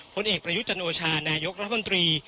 ผลเอกประยุทธ์จันโอชานายกรัฐมนตรี